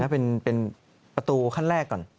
เป็นประตูขั้นแรกก่อน